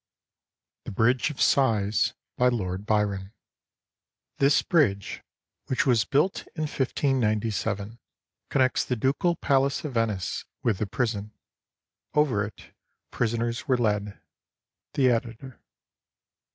THE BRIDGE OF SIGHS BY LORD BYRON [This bridge, which was built in 1597, connects the ducal palace of Venice with the prison. Over it prisoners were led. The Editor.